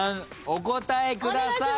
お答えください。